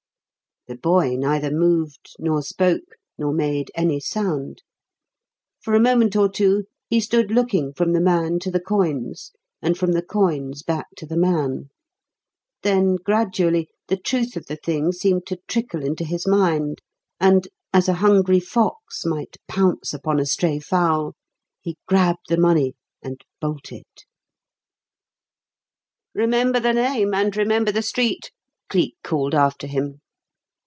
The boy neither moved nor spoke nor made any sound. For a moment or two he stood looking from the man to the coins and from the coins back to the man; then, gradually, the truth of the thing seemed to trickle into his mind and, as a hungry fox might pounce upon a stray fowl, he grabbed the money and bolted. "Remember the name and remember the street," Cleek called after him.